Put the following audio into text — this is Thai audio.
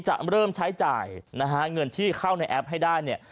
จะเริ่มใช้จ่ายนะฮะเงินที่เข้าในแอปให้ได้เนี่ย